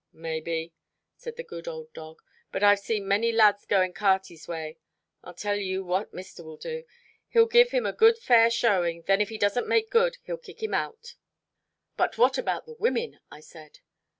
"Maybe," said the good old dog, "but I've seen many lads going Carty's way. I'll tell you what mister will do. He'll give him a good fair showing, then if he doesn't make good, he'll kick him out." "But what about the women?" I said.